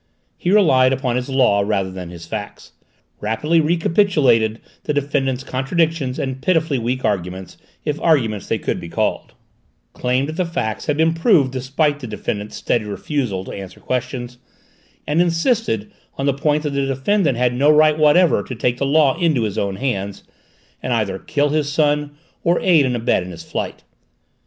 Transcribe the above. He relied upon his law rather than his facts: rapidly recapitulated the defendant's contradictions and pitifully weak arguments, if arguments they could be called: claimed that the facts had been proved despite the defendant's steady refusal to answer questions: and insisted on the point that the defendant had no right whatever to take the law into his own hands, and either kill his son or aid and abet in his flight.